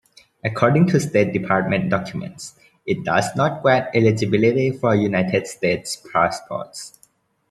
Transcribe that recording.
According to State Department documents, it does not grant eligibility for United States passports.